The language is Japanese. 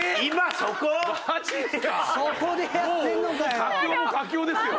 そこでやってるのかよ。